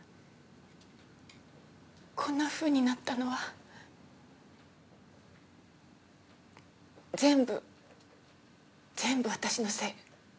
こんな風になったのは全部全部私のせい。